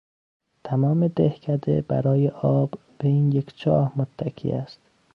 تمام دهکده برای آب به این یک چاه متکی است.